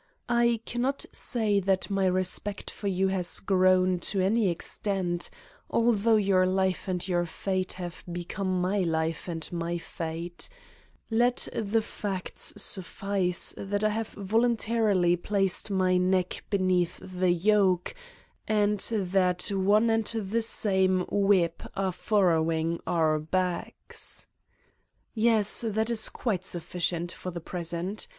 I can not say that my respect for you has grown to any extent, although your life and your fate have be Satan's Diary come my life and my fate : let the facts suffice that I have voluntarily placed my neck beneath the yoke and that one and the same whip are fur rowing our backs. Yes, that is quite sufficient for the present.